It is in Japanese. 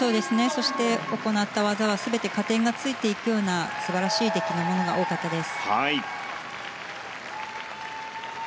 そして、行った技は全て加点がついていくような素晴らしい出来のものが多かったです。